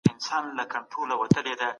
پېغمبر وفرمایل چي نور حقونه هم په مال کي سته.